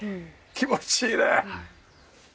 気持ちいいね！